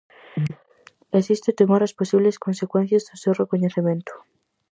Existe o temor ás posibles consecuencias do seu recoñecemento.